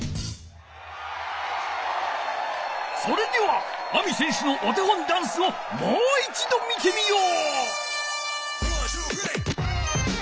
それではＡＭＩせんしゅのお手本ダンスをもういちど見てみよう。